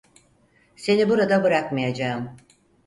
Seni burada bırakmayacağım.